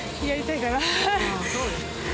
やりたいかな。